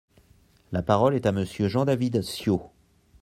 La parole est à Monsieur Jean-David Ciot.